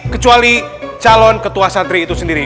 kecuali calon ketua santri itu sendiri